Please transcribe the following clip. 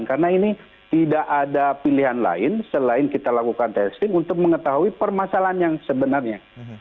karena ini tidak ada pilihan lain selain kita lakukan testing untuk mengetahui permasalahan yang sebenarnya